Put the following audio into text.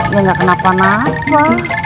ya gak kenapa napa